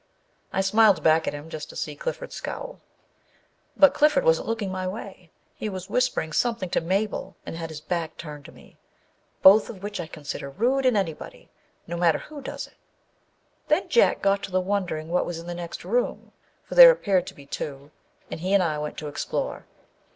I smiled back at him just to see Clifford scowl. But Clifford wasn't looking my way. He was whispering something to Mabel and had his back turned to me â both of which I consider rude in anybody, no matter who does it. Then Jack got to wondering what was in the next room, for there appeared to be two, and he and I went to explore.